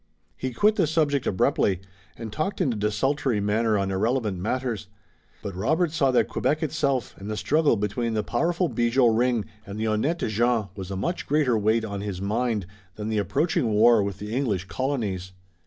He quit the subject abruptly, and talked in a desultory manner on irrelevant matters. But Robert saw that Quebec itself and the struggle between the powerful Bigot ring and the honnêtes gens was a much greater weight on his mind than the approaching war with the English colonies.